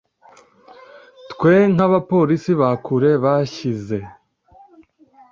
twe nkabapolisi ba kure bashyize